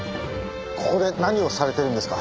ここで何をされてるんですか？